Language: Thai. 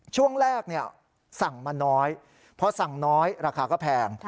ช่วงแรกเนี่ยสั่งมาน้อยเพราะสั่งน้อยราคาก็แพง